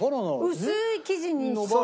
薄い生地にして。